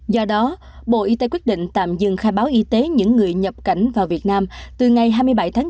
do đó bộ y tế quyết định tạm dừng khai báo y tế những người nhập cảnh vào việt nam từ ngày hai mươi bảy tháng bốn